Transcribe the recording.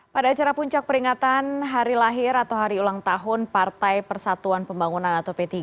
pada acara puncak peringatan hari lahir atau hari ulang tahun partai persatuan pembangunan atau p tiga